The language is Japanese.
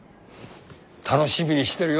楽しみにしてるよ。